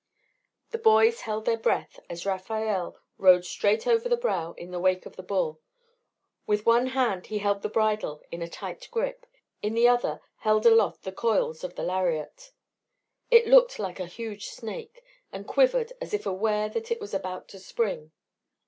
The boys held their breath as Rafael rode straight over the brow in the wake of the bull. With one hand he held the bridle in a tight grip, in the other he held aloft the coils of the lariat. It looked like a huge snake, and quivered as if aware that it was about to spring.